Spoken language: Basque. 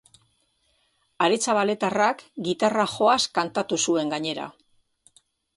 Aretxabaletarrak gitarra joaz kantatu zuen gainera.